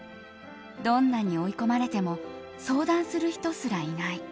どんなに追い込まれても相談する人すらいない。